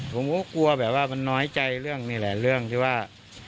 ผมก็กลัวแบบว่ามันน้อยใจเรื่องนี่แหละเรื่องที่ว่า